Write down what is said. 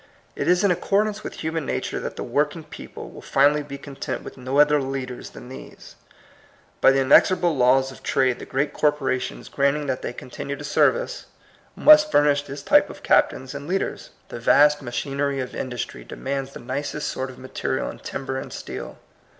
It is in ac cordance with human nature that the work ing people will finally be content with no other leaders than these. By the inexora ble laws of trade the great corporations, CERTAIN CLEAR FACT 8 21 granting that they continue to serve us, must furnish this type of captains and lead ers. The vast machinery of industry de mands the nicest sort of material in timber and steel.